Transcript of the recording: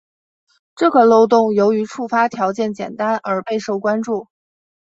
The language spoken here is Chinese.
这个漏洞由于触发条件简单而备受关注。